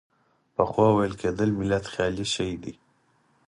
پخوا ویل کېدل ملت خیالي څیز دی.